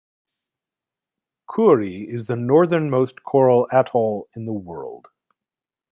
Kure is the northernmost coral atoll in the world.